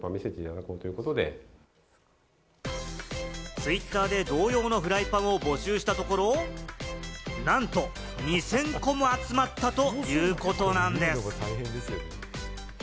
ツイッターで同様のフライパンを募集したところ、なんと２０００個も集まったということなんです。